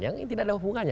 yang tidak ada hubungannya